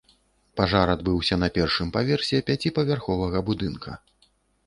Пажар адбыўся на першым паверсе пяціпавярховага будынка.